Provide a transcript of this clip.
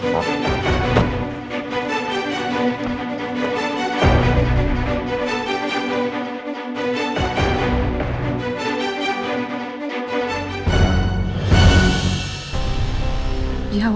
tooh makin banyak